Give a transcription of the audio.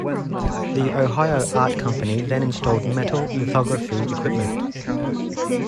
The Ohio Art Company then installed metal lithography equipment.